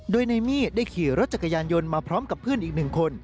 โดยนายมี่ได้ขี่รถจักรยานยนต์มาพร้อมกับเพื่อนอีกหนึ่งคน